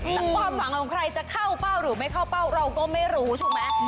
แต่ความหวังของใครจะเข้าเป้าหรือไม่เข้าเป้าเราก็ไม่รู้ถูกไหม